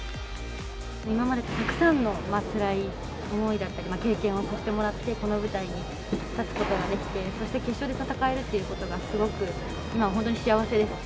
今までたくさんのつらい思いだったり、経験をさせてもらって、この舞台に立つことができて、そして決勝で戦えるってことが、すごく今、本当に幸せです。